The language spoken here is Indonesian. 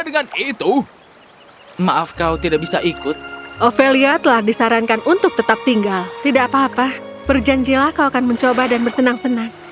dan mereka akan mencoba dan bersenang senang